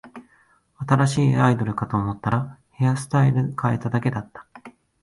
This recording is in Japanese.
新しいアイドルかと思ったら、ヘアスタイル変えただけだった